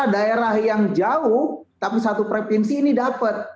daerah yang jauh tapi satu provinsi ini dapat